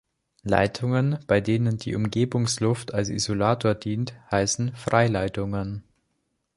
Leitungen, bei denen die Umgebungsluft als Isolator dient, heißen Freileitungen.